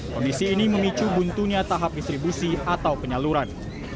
kondisi ini memicu buntunya tahap distribusi atau penyaluran